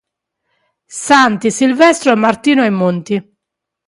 Santi Silvestro e Martino ai Monti